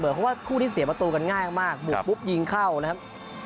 เพราะว่าคู่ที่เสียประตูกันง่ายมากบุกปุ๊บยิงเข้านะครับ